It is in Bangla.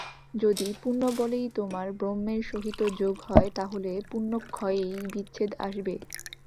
যদি পুণ্যবলেই তোমার ব্রহ্মের সহিত যোগ হয়, তা হলে পুণ্যক্ষয়েই বিচ্ছেদ আসবে।